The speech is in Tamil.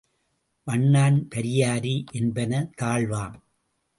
வண்ணான் பரியாரி என்பன தாழ்வாம்.